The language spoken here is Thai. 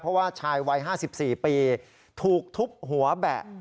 เพราะว่าชายวัย๕๔ปีถูกทุบหัวแบะ